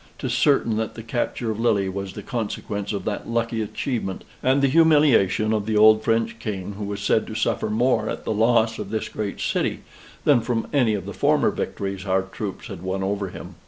'Tis certain that the capture of Lille was the consequence of that lucky achievement, and the humiliation of the old French King, who was said to suffer more at the loss of this great city, than from any of the former victories our troops had won over him.